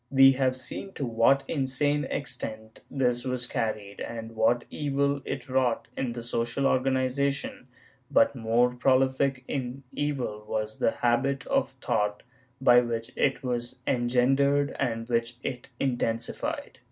We have seen to what insane extent this was carried and what evil it wrought in the social organization, but more prolific in evil was the habit of thought by which it was engendered and which it intensified.